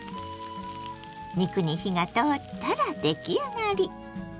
肉に火が通ったら出来上がり。